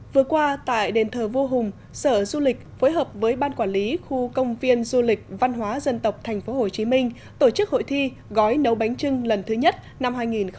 vừa qua tại đền thờ vua hùng sở du lịch phối hợp với ban quản lý khu công viên du lịch văn hóa dân tộc tp hcm tổ chức hội thi gói nấu bánh trưng lần thứ nhất năm hai nghìn một mươi chín